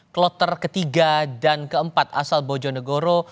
kloter ketiga dan keempat asal bojonegoro